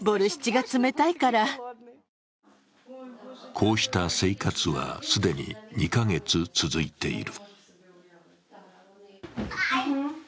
こうした生活は既に２か月続いている。